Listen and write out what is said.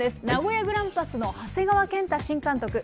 名古屋グランパスの長谷川健太新監督。